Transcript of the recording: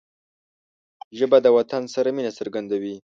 ژبه د وطن سره مینه څرګندوي